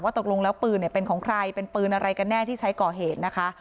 ตกลงแล้วปืนเป็นของใครเป็นปืนอะไรกันแน่ที่ใช้ก่อเหตุนะคะ